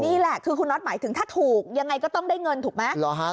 นี่แหละคือคุณน็อตหมายถึงถ้าถูกยังไงก็ต้องได้เงินถูกไหม